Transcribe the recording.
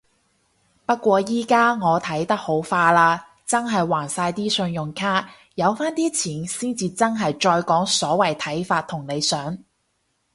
不過依家我睇得好化啦，真係還晒啲信用卡。有返啲錢先至真係再講所謂睇法同理想